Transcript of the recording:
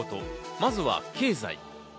まずは経済。